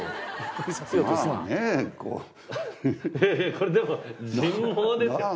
これでも人毛ですよ。